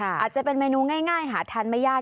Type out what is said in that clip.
อาจจะเป็นเมนูง่ายหาทานไม่ยาก